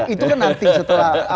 itu nanti setelah